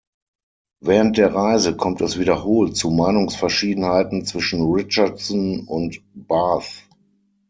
Während der Reise kommt es wiederholt zu Meinungsverschiedenheiten zwischen Richardson und Barth.